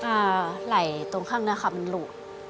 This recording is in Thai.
อ่าไหล่ตรงข้างหน้าค่ะมันหลุด